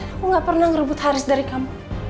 aku gak pernah ngerebut haris dari kamu